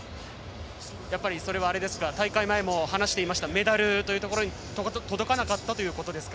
やっぱり大会前も話していたメダルというところに届かなかったということですか。